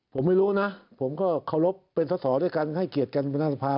ผมไม่รู้นะผมก็เคารพเป็นสอสอด้วยกันให้เกียรติกันประธานสภา